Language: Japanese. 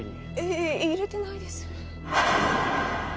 いえいえ入れてないです